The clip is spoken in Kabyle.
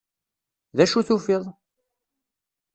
D acu tufiḍ?